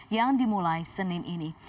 yang dimulai senin ini